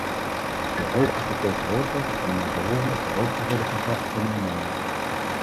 De hoge vertegenwoordiger zal naar behoren op de hoogte worden gebracht van uw mening.